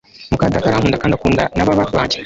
mukadata arankunda kandi akunda nababa banjye